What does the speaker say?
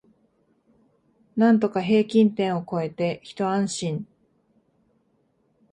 なんとか平均点を超えてひと安心